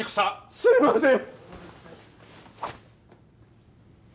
すいません。